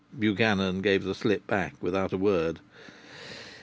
Buchanan gave the slip back without a word.